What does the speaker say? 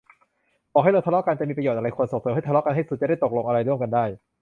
บอกให้เลิกทะเลาะกัน มีประโยชน์อะไร ควรส่งเสริมให้ทะเลาะกันให้สุด จะได้ตกลงอะไรร่วมกันได้